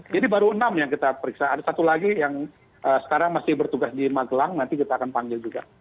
jadi baru enam yang kita periksa ada satu lagi yang sekarang masih bertugas di magelang nanti kita akan panggil juga